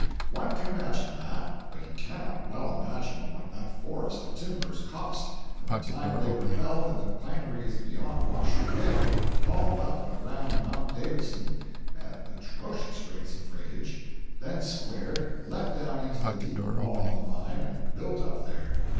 One can imagine that, but he cannot well imagine what that forest of timbers cost, from the time they were felled in the pineries beyond Washoe Lake, hauled up and around Mount Davidson at atrocious rates of freightage, then squared, let down into the deep maw of the mine and built up there.